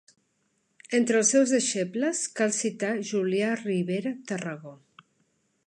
Entre els seus deixebles cal citar Julià Ribera Tarragó.